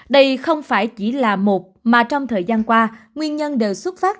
đây không phải chỉ là một mà trong thời gian qua nguyên nhân đều xuất phát